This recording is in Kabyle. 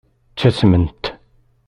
Ttasment.